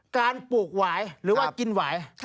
ปลูกหวายหรือว่ากินหวาย